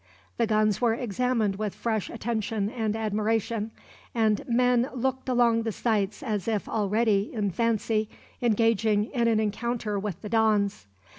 The guns were examined with fresh attention and admiration, and men looked along the sights as if already, in fancy, engaging in an encounter with the Dons.